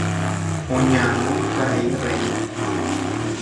Oñarõ karai Réi.